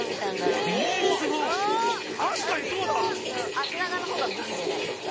足長のほうが美人じゃないですか？